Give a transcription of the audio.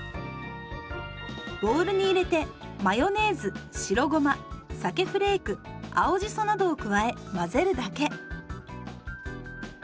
ボウルに入れてマヨネーズ白ごまさけフレーク青じそなどを加え混ぜるだけ。